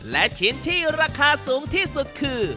และชิ้นที่ราคาสูงที่สุดคือ